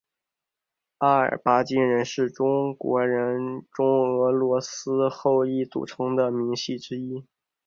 阿尔巴津人是中国人中俄罗斯后裔组成的民系之一。